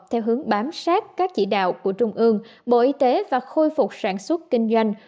theo hướng bám sát các chỉ đạo của trung ương bộ y tế và khôi phục sản xuất kinh doanh